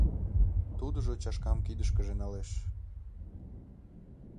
Тудыжо чашкам кидышкыже налеш.